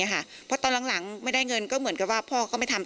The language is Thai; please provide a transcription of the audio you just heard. เพราะตอนหลังไม่ได้เงินก็เหมือนกับว่าพ่อก็ไม่ทำ